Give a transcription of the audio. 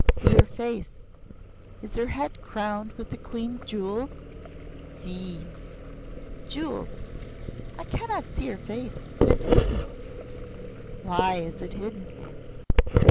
"See her face. Is her head crowned with the Queen's jewels? See!" "Jewels. I cannot see her face. It is hidden." "Why is it hidden?"